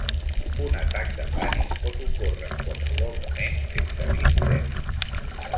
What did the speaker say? Un atac de pànic pot ocórrer en qualsevol moment sense avís previ.